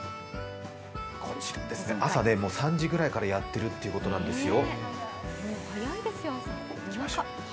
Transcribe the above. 朝、もう３時ぐらいからやっているということですよ。